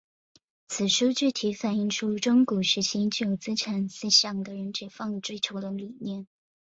此书具体反映出中古时期具有资产思想的人解放与追求的理念。